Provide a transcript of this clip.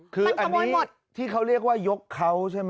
คืออันนี้ที่เขาเรียกว่ายกเขาใช่ไหม